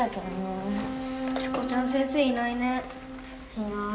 いなーい。